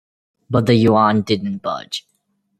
But the yuan didn't budge.